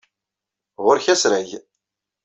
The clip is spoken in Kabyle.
Ɣur-k asrag.